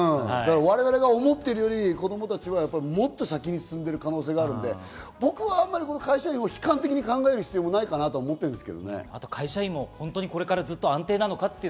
我々が思ってるより子供たちはもっと先に進んでいる可能性があるので、僕は会社員を悲観的に考える必要はないのかなと思ってます。